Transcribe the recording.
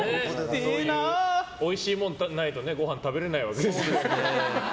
おいしいもんないとご飯食べれないわけですから。